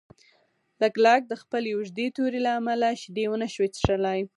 لګلګ د خپلې اوږدې تورې له امله شیدې ونشوای څښلی.